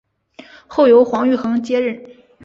后由黄玉衡接任。